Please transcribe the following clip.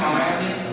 ông ấy đã điện